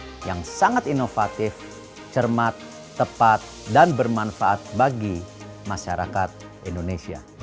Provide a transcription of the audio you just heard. yang sangat inovatif cermat tepat dan bermanfaat bagi masyarakat indonesia